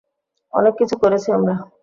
অনেক কিছু করেছি আমরা।